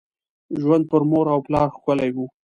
ژوند پر مور او پلار ښکلي وي .